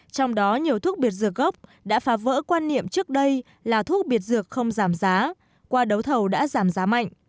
trong đó nhiều thuốc biệt dược gốc đã phá vỡ quan niệm trước đây là thuốc biệt dược không giảm giá qua đấu thầu đã giảm giá mạnh